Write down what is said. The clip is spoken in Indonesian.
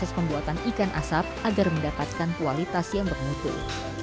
proses pembuatan ikan asap agar mendapatkan kualitas yang bermutu